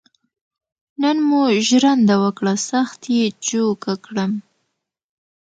نن مو ژرنده وکړه سخت یې جوکه کړم.